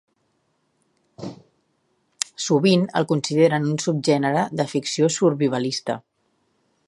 Sovint el consideren un subgènere de ficció survivalista.